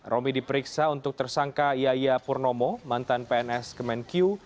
romi diperiksa untuk tersangka yaya purnomo mantan pns kemenkyu